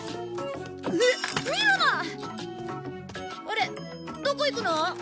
あれどこ行くの？